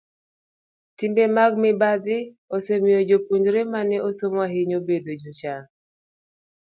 Timbe mag mibadhi osemiyo jopuonjre ma ne osomo ahinya bedo jochan.